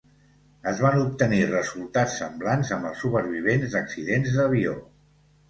Es van obtenir resultats semblants amb els supervivents d'accidents d'avió.